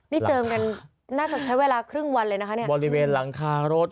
นี่เจิมกันน่าจะใช้เวลาครึ่งวันเลยนะคะเนี่ยบริเวณหลังคารถ